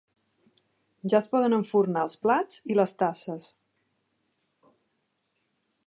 Ja es poden enfornar els plats i les tasses.